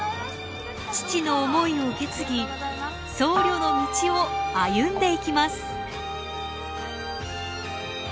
父の思いを受け継ぎ僧侶の道を歩んでいきます。